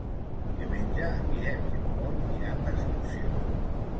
Diumenge en Guillem i en Pol iran d'excursió.